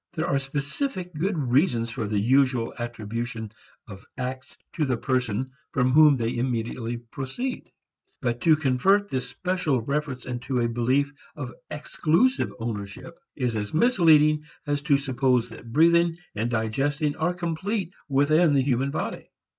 There are specific good reasons for the usual attribution of acts to the person from whom they immediately proceed. But to convert this special reference into a belief of exclusive ownership is as misleading as to suppose that breathing and digesting are complete within the human body.